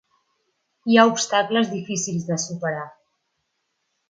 Hi ha obstacles difícils de superar.